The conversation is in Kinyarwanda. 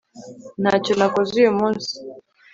ntacyo nakoze uyu munsi